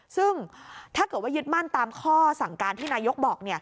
ซึ่งถ้าเกิดว่ายึดมั่นตามข้อสั่งการที่นายกบอก